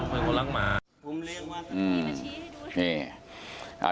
ไม่ได้มันไม่ใช่